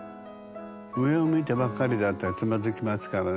上を向いてばっかりだったらつまずきますからね。